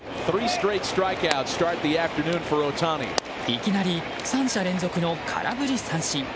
いきなり３者連続の空振り三振。